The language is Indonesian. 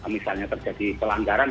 misalnya terjadi pelanggaran